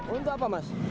untuk apa mas